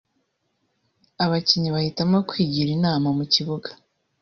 Abakinnyi bahitamo kwigira inama mu kibuga